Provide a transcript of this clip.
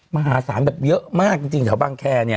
มหาศาลเยอะมากที่บางแค้นี้